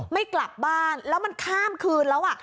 ไม่กลับบ้านแล้วมันข้ามคืนแล้ว